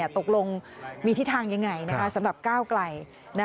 ตกลงมีทิศทางยังไงสำหรับก้าวไกล